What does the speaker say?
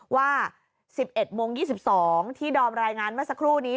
ว่า๑๑โมง๒๒ที่ดอมรายงานเมื่อสักครู่นี้